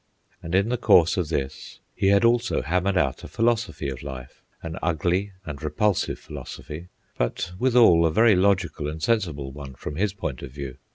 And in the course of this he had also hammered out a philosophy of life, an ugly and repulsive philosophy, but withal a very logical and sensible one from his point of view.